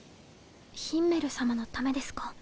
ヒンメル様のためですか？